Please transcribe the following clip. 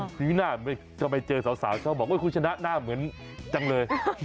สีหน้าทำไมเจอสาวชอบบอกว่าคุณชนะหน้าเหมือนจังเลย